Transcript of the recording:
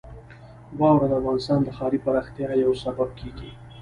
واوره د افغانستان د ښاري پراختیا یو سبب کېږي.